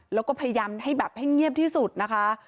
แล้วก็พยายามให้แบบให้เงียบที่สุดนะคะ